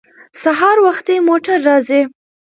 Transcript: سهار وختي موټر راځي.